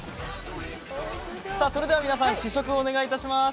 それでは皆さん試食をお願いします。